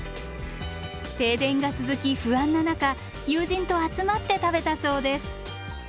停電が続き不安な中友人と集まって食べたそうです。